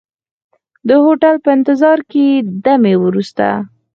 د هوټل په انتظار ځای کې دمې وروسته.